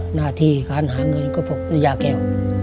หน้าที่การหาเงินก็พบยาแก้ว